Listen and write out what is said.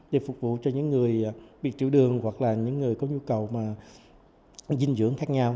để phục vụ cho những người bị triệu đường hoặc là những người có nhu cầu mà dinh dưỡng khác nhau